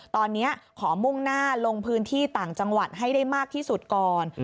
ตอนนี้ขอมุ่งหน้าลงพื้นที่ต่างจังหวัดให้ได้มากที่สุดก่อน